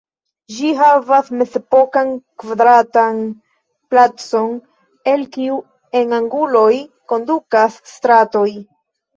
Ĝi havas mezepokan kvadratan placon, el kiu en anguloj kondukas stratoj.